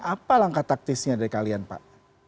apa langkah taktisnya dari kalian pak